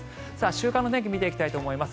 週間の天気を見ていきたいと思います。